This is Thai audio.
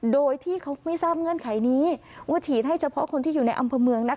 โดยที่เขาไม่ทราบเงื่อนไขนี้ว่าฉีดให้เฉพาะคนที่อยู่ในอำเภอเมือง